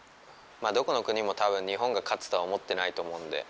どこの国もたぶん、日本が勝つとは思ってないと思うんで。